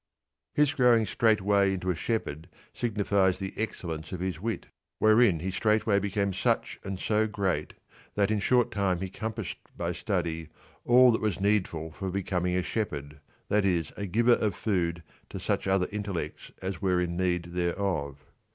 104 His growing straightway into a shepherd signifies the excellence of his wit, wherein he straightway became such and so great that in short time he compassed by study all that was needful for becoming a shepherd, that is a giver of food to such other intellects as were in need thereof.